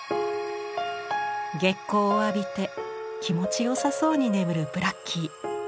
月光を浴びて気持ち良さそうに眠るブラッキー。